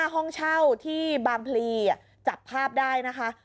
ตอนต่อไป